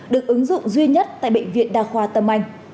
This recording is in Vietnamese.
được ứng dụng duy nhất tại bệnh viện đa khoa tâm anh